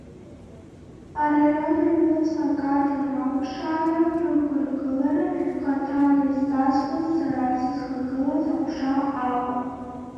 Араион аҩнуҵҟа акадр ралԥшаара, рықәыргылара хаҭала изҵазкуаз сара сызхагылаз аҟәша акәын.